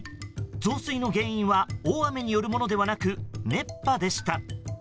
増水の原因は大雨によるものではなく熱波でした。